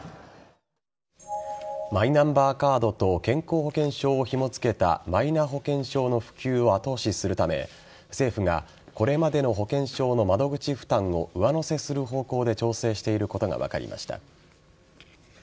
マイナンバーカードと健康保険証をひも付けたマイナ保険証の普及を後押しするため政府がこれまでの保険証の窓口負担を上乗せする方向で調整していることが分かりました。